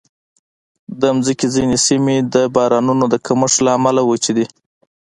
د مځکې ځینې سیمې د بارانونو د کمښت له امله وچې دي.